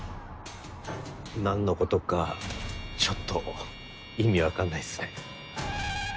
何のことかちょっと意味わかんないっすね。